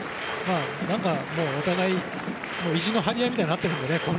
もうお互い意地の張り合いみたいになっているので。